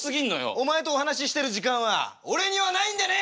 お前とお話ししてる時間は俺にはないんでね！